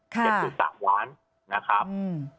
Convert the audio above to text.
ค่ะ๗๐สักวันนะครับ